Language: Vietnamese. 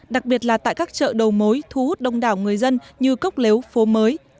đặc biệt là tại các chợ đầu mối thu hút đông đảo người dân như cốc lếu phố mới